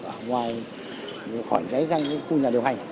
ở ngoài khỏi cháy sang khu nhà điều hành